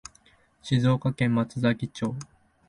静岡県松崎町